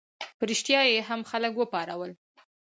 په ریشتیا یې هم خلک وپارول.